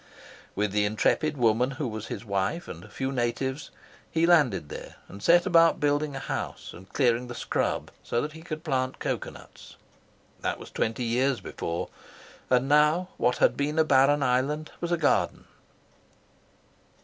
With the intrepid woman who was his wife, and a few natives, he landed there, and set about building a house, and clearing the scrub so that he could plant cocoa nuts. That was twenty years before, and now what had been a barren island was a garden.